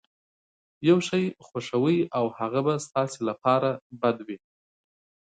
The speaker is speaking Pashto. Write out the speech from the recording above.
يو شی خوښوئ او هغه به ستاسې لپاره بد وي.